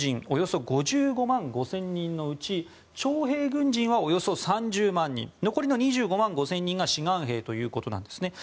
およそ５５万５０００人のうち徴兵軍人はおよそ３０万人残りの２５万５０００人が志願兵ということです。